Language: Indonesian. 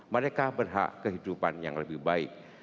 mereka berhak kehidupan yang lebih baik